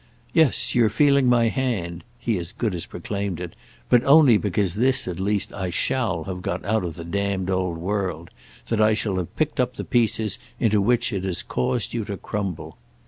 "Yes, you're feeling my hand"—he as good as proclaimed it; "but only because this at least I shall have got out of the damned Old World: that I shall have picked up the pieces into which it has caused you to crumble."